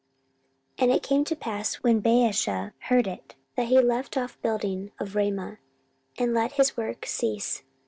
14:016:005 And it came to pass, when Baasha heard it, that he left off building of Ramah, and let his work cease.